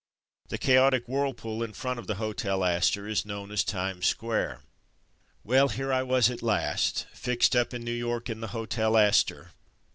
The chaotic whirlpool in front of the Hotel Astor is known as Times Square. Well, here I was at last, fixed up in New York in the Hotel Astor.